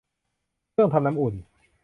เครื่องทำน้ำอุ่น